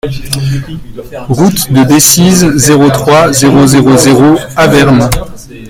Route de Decize, zéro trois, zéro zéro zéro Avermes